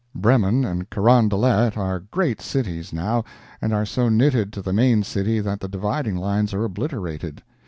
Bremen and Carondelet are great cities now, and are so knitted to the main city that the dividing lines are obliterated.